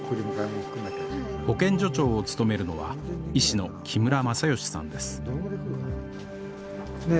保健所長を務めるのは医師の木村雅芳さんですねえ